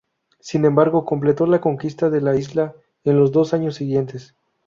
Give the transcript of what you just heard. Sin embargo completó la conquista de la isla en los dos años siguientes.